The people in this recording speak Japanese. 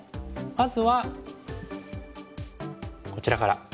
まずはこちらから。